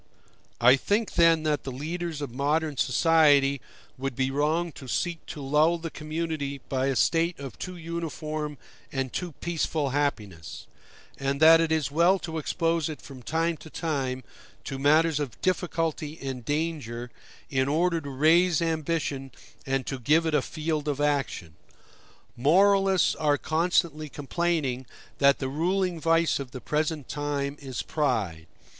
I think then that the leaders of modern society would be wrong to seek to lull the community by a state of too uniform and too peaceful happiness; and that it is well to expose it from time to time to matters of difficulty and danger, in order to raise ambition and to give it a field of action. Moralists are constantly complaining that the ruling vice of the present time is pride.